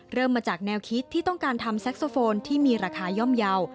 เริ่มมาจากแนวคิดที่ต้องการทำแซ็กโซโฟนที่มีราคาย่อมเยาว์